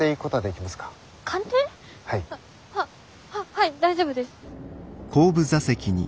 ははい大丈夫です。